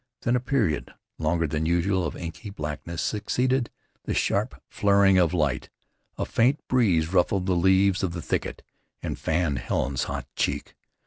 Then a period, longer than usual, of inky blackness succeeded the sharp flaring of light. A faint breeze ruffled the leaves of the thicket, and fanned Helen's hot cheek.